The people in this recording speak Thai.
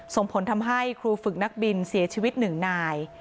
ส่งผลทำให้ครูฝึกนักบินเสียชีวิตหนึ่งนาย